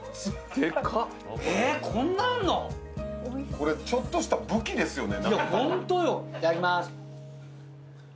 これ、ちょっとした武器ですよね。